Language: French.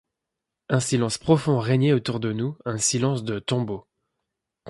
Un silence profond régnait autour de nous, un silence de tombeau.